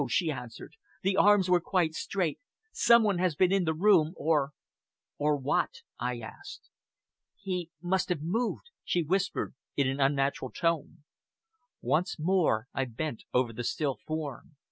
she answered, "The arms were quite straight. Some one has been in the room or " "Or what?" Tasked. "He must have moved," she whispered in an unnatural tone. Once more I bent over the still form.